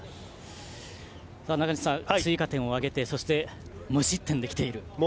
中西さん、追加点を挙げて無失点できています。